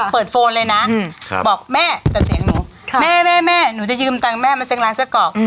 โฟนเลยนะบอกแม่แต่เสียงหนูแม่แม่หนูจะยืมตังค์แม่มาเซ็กร้านไส้กรอก